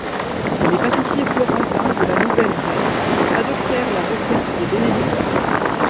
Les pâtissiers florentins de la nouvelle reine adoptèrent la recette des bénédictins.